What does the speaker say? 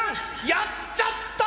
やっちゃった！